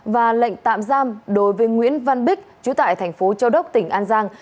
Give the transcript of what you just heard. và lệnh tạm giam đối với nguyễn văn bích chú tại thành phố châu đốc tỉnh an giang